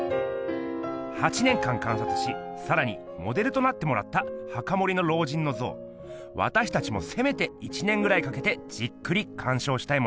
８年間観察しさらにモデルとなってもらった墓守の老人の像わたしたちもせめて１年ぐらいかけてじっくりかんしょうしたいものです。